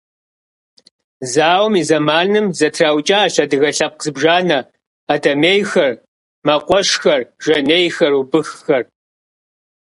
Зауэм и зэманым зэтраукӏащ адыгэ лъэпкъ зыбжанэ: адэмейхэр, мэкъуэшхэр, жанейхэр, убыххэр.